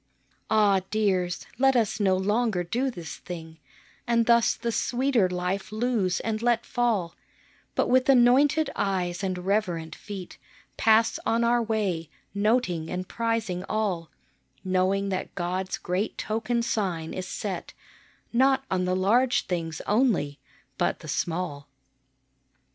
Ah ! dears, let us no longer do this thing, And thus the sweeter life lose and let fall ; But with anointed eyes and reverent feet Pass on our way, noting and prizing all, Knowing that God's great token sign is set, Not on the large things only, but the small.